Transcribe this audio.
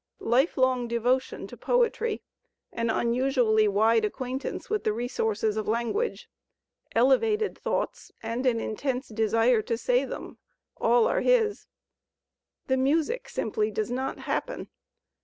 life long devotion to poetry, an unusually wide acquaintance with the resources of language, elevated thoughts and an intense desire to say them, all are his; the music simply does not happen.